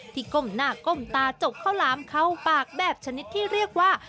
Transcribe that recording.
ก้มหน้าก้มตาจกข้าวหลามเข้าปากแบบชนิดที่เรียกว่า